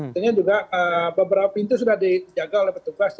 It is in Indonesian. tentunya juga beberapa pintu sudah dijaga oleh petugas